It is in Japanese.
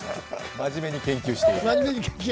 真面目に研究して。